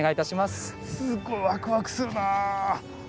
すごいワクワクするな。